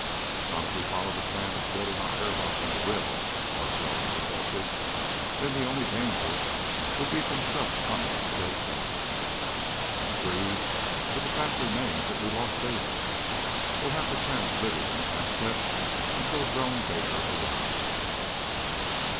"Not if we follow the plan of building our airlock in a rill," Larkwell interjected. "Then the only danger would be from stuff coming straight down." "Agreed. But the fact remains that we lost Able. We'll have to chance living in the Aztec until Drone Baker arrives."